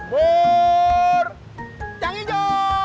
pur cang hijau